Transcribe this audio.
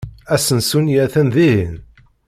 Asensu-nni atan dihin.